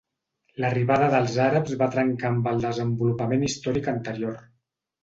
L'arribada dels àrabs va trencar amb el desenvolupament històric anterior.